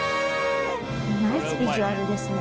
ナイスビジュアルですね。